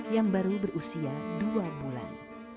yang baru berusia dua bulan